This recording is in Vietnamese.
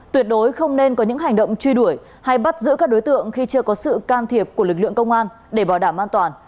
tuyệt đối không nên có những hành động truy đuổi hay bắt giữ các đối tượng khi chưa có sự can thiệp của lực lượng công an để bảo đảm an toàn